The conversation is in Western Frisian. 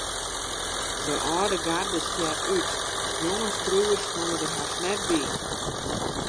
De âlde garde stjert út, jonge skriuwers komme der hast net by.